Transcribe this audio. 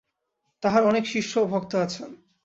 তাঁহার অনেক শিষ্য ও ভক্ত আছেন।